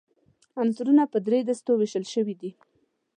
عنصرونه په درې دستو ویشل شوي دي.